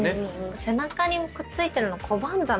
背中にくっついてるのコバンザメ。